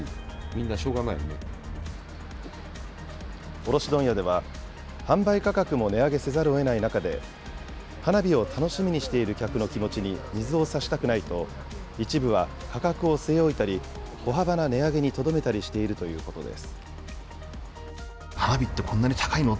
卸問屋では、販売価格も値上げせざるをえない中で、花火を楽しみにしている客の気持ちに水をさしたくないと、一部は価格を据え置いたり、小幅な値上げにとどめたりしているということです。